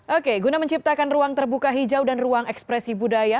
oke guna menciptakan ruang terbuka hijau dan ruang ekspresi budaya